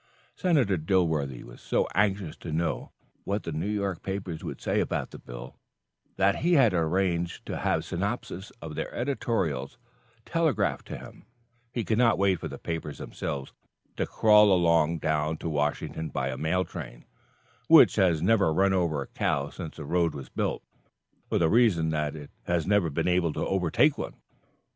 Senator Dilworthy was so anxious to know what the New York papers would say about the bill, that he had arranged to have synopses of their editorials telegraphed to him; he could not wait for the papers themselves to crawl along down to Washington by a mail train which has never run over a cow since the road was built; for the reason that it has never been able to overtake one.